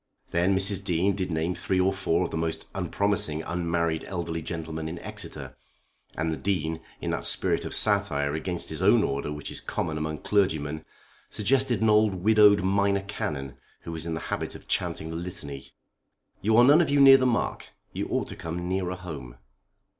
Then Mrs. Dean did name three or four of the most unpromising unmarried elderly gentlemen in Exeter, and the Dean, in that spirit of satire against his own order which is common among clergymen, suggested an old widowed Minor Canon, who was in the habit of chanting the Litany. "You are none of you near the mark. You ought to come nearer home."